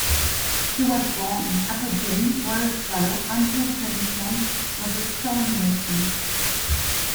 He was born in Aberdeen, where his father, Andrew Jamesone, was a stonemason.